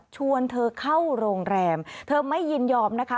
ชวนเธอเข้าโรงแรมเธอไม่ยินยอมนะคะ